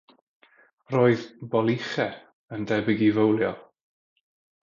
Roedd “boliche” yn debyg i fowlio.